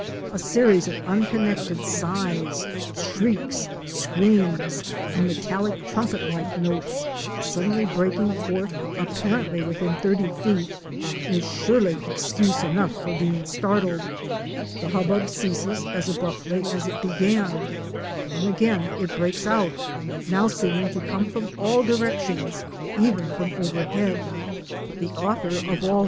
A series of unconnected sighs, shrieks, screams, and metallic trumpet like notes suddenly breaking forth apparently within thirty feet, is surely excuse enough for being startled. The hubbub ceases as abruptly as it began; then again it breaks out, now seeming to come from all directions, even from overhead. The author of all 24 OUR SEARCH FOR A WILDERNESS.